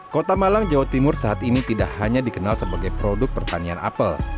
kota malang jawa timur saat ini tidak hanya dikenal sebagai produk pertanian apel